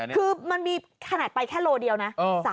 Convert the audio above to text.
คือมันมีขนาดไปแค่โลเดียวนะ